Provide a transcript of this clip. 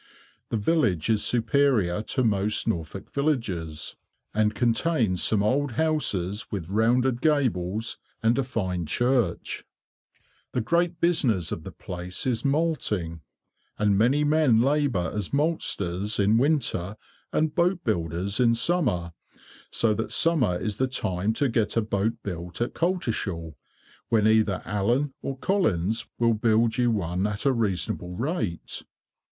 The village is superior to most Norfolk villages, and contains some old houses with rounded gables, and a fine church. [Picture: Dyke Near Coltishall] The great business of the place is malting, and many men labour as maltsters in winter and boat builders in summer, so that summer is the time to get a boat built at Coltishall, when either Allen or Collins will build you one at a reasonable rate.